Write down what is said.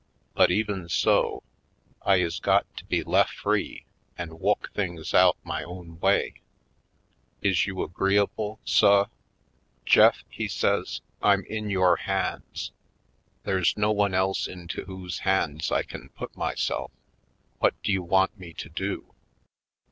But, even so, I is got to be lef ' free to wu'k things out my own way. Is you agreeable, suh?" 198 /. PoindexteTj Colored "Jeff," he says, "I'm in your hands. There's no one else into whose hands I can put myself. What do you want me to do?"